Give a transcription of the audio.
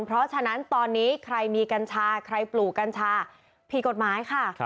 เพราะฉะนั้นตอนนี้ใครมีกัญชาใครปลูกกัญชาผิดกฎหมายค่ะ